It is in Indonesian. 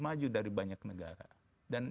maju dari banyak negara dan